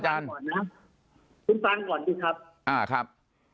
คุณฟังก่อนนี่ครับ